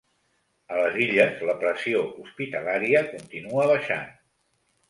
A les Illes, la pressió hospitalària continua baixant.